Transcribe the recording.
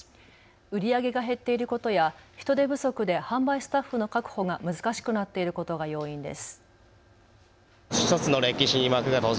売り上げが減っていることや人手不足で販売スタッフの確保が難しくなっていることが要因です。